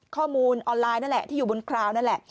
ข้อมูลออนไลน์นั่นแหละที่อยู่บนคราวนั่นแหละ